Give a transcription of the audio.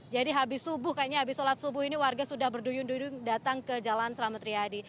jadi habis subuh kayaknya habis sholat subuh ini warga sudah berduyung duyung datang ke jalan selamat riyad